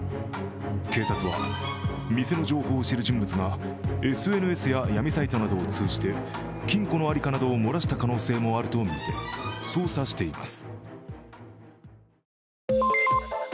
警察は店の情報を知る人物がＳＮＳや闇サイトなどを通じて金庫の在りかなどを漏らした可能性もあるとみて捜査しています。